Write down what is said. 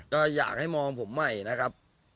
ก็อยากให้มองผมใหม่นะครับ